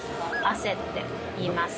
「汗」っていいます。